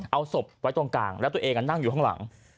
เอาศพไว้ตรงกลางแล้วตัวเองนั่งอยู่ข้างหลัง